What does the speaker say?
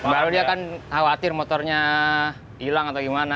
baru dia kan khawatir motornya hilang atau gimana